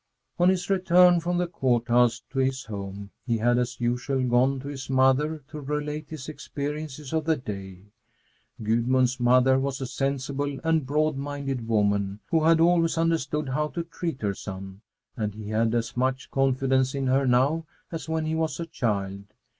On his return from the Court House to his home, he had, as usual, gone to his mother to relate his experiences of the day. Gudmund's mother was a sensible and broad minded woman who had always understood how to treat her son, and he had as much confidence in her now as when he was a child.